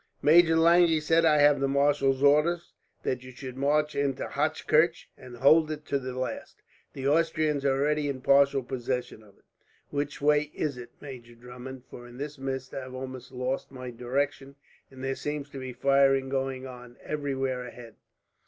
"Major Lange," he said, "I have the marshal's orders that you should march into Hochkirch, and hold it to the last. The Austrians are already in partial possession of it." "Which way is it, Major Drummond? For in this mist I have almost lost my direction, and there seems to be firing going on everywhere ahead."